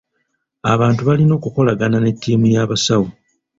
Abantu balina okukolagana ne ttiimu y'abasawo.